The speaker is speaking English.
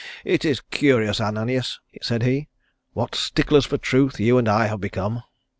"It is curious, Ananias," said he, "what sticklers for the truth you and I have become."